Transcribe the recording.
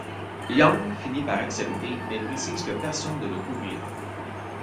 Young finit par accepter mais précise que personne ne le couvrira.